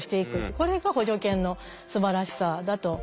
これが補助犬のすばらしさだと思っています。